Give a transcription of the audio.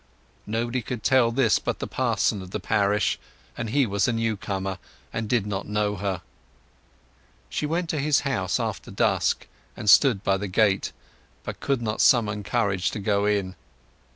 Nobody could tell this but the parson of the parish, and he was a new comer, and did not know her. She went to his house after dusk, and stood by the gate, but could not summon courage to go in.